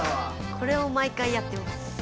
これを毎回やってます。